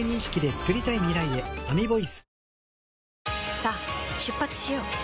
さあ出発しよう。